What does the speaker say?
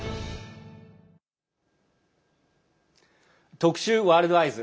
特集「ワールドＥＹＥＳ」。